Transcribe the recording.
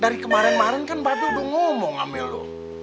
dari kemarin kemarin kan mbak me udah ngomong ngamelo